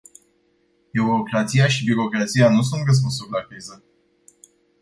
Eurocrația și birocrația nu sunt răspunsuri la criză.